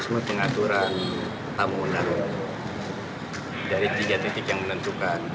mengaturan mekanisme pengaturan tamu undang dari tiga titik yang menentukan